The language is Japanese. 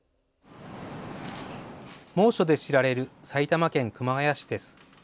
猛暑で知られる埼玉県熊谷市です。